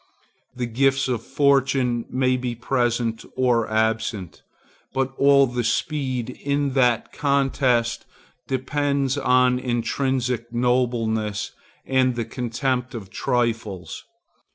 The gifts of fortune may be present or absent, but all the speed in that contest depends on intrinsic nobleness and the contempt of trifles.